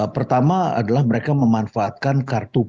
pertama adalah mereka memanfaatkan kartu